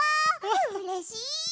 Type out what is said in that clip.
うれしい！